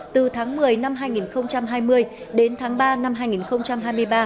từ tháng một mươi năm hai nghìn hai mươi đến tháng ba năm hai nghìn hai mươi ba